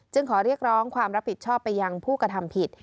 ขอเรียกร้องความรับผิดชอบไปยังผู้กระทำผิด